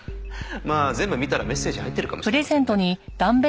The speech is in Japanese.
まあ全部見たらメッセージ入ってるかもしれませんね。